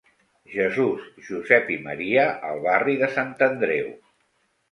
Jesús, Josep i Maria, al barri de Sant Andreu.